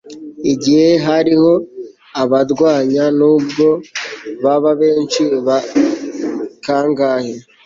igihe hariho abandwanya, n'ubwo baba benshi kangahe